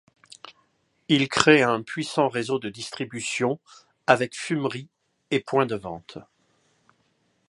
Il crée un puissant réseau de distribution, avec fumeries et points de vente.